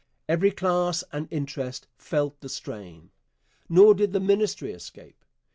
Every class and interest felt the strain. Nor did the Ministry escape.